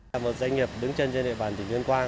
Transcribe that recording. là một doanh nghiệp đứng chân trên địa bàn tỉnh tuyên quang